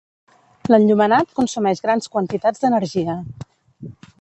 L'enllumenat consumeix grans quantitats d'energia.